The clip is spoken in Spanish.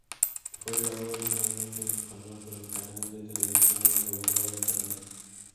Fue grabado originalmente en español, pero el canal de televisión lo dobló al italiano.